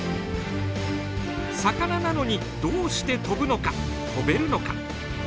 魚なのにどうして飛ぶのか飛べるのか？